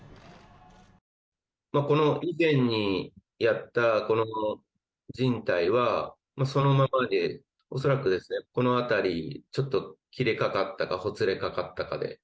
以前にやった、じん帯はそのままで、恐らくこの辺りちょっと切れかかったかほつれかかったかで。